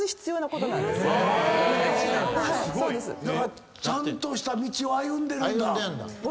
だからちゃんとした道を歩んでるんだ。